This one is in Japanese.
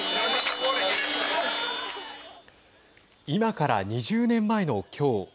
今から２０年前の今日。